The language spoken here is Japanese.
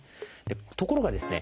ところがですね